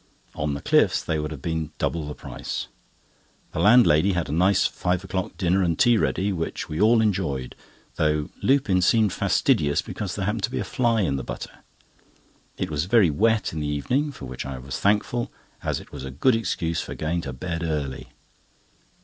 On the cliffs they would have been double the price. The landlady had a nice five o'clock dinner and tea ready, which we all enjoyed, though Lupin seemed fastidious because there happened to be a fly in the butter. It was very wet in the evening, for which I was thankful, as it was a good excuse for going to bed early.